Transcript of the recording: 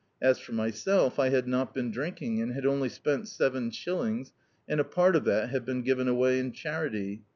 As for myself, I had not been drinking, and had only spent seven shillings, and a part of that had been given away in charity.